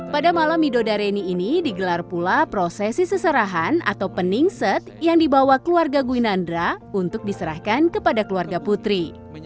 pada malam midodareni ini digelar pula prosesi seserahan atau peningset yang dibawa keluarga gwinandra untuk diserahkan kepada keluarga putri